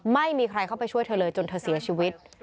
ไม่มีใครเข้าไปช่วยเธอเลยจนเธอเสียชีวิต